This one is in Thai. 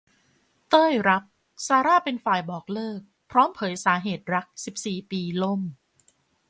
เต้ย รับ ซาร่า เป็นฝ่ายบอกเลิก พร้อมเผยสาเหตุรัก สิบสี่ ปีล่ม